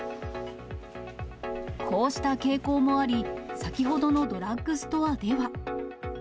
こうした傾向もあり、先ほどのドラッグストアでは。